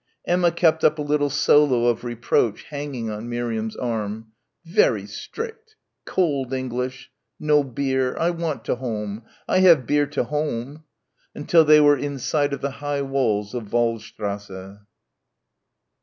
Emma kept up a little solo of reproach hanging on Miriam's arm. "Very strict. Cold English. No bier. I want to home. I have bier to home" until they were in sight of the high walls of Waldstrasse.